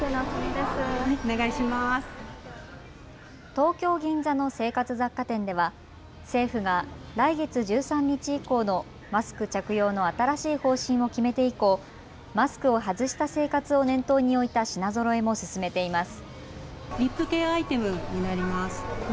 東京銀座の生活雑貨店では政府が来月１３日以降のマスク着用の新しい方針を決めて以降、マスクを外した生活を念頭に置いた品ぞろえも進めています。